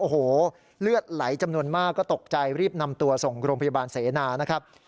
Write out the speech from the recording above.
โอ้โหเลือดไหลจำนวนมากก็ตกใจรีบนำตัวส่งโรงพยาบาลเสนานะครับ